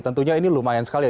tentunya ini lumayan sekali ya